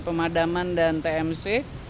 pemadaman dan tmc